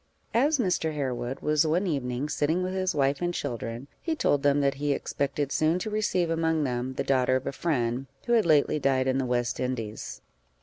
As Mr. Harewood was one evening sitting with his wife and children, he told them that he expected soon to receive among them the daughter of a friend, who had lately died in the West Indies.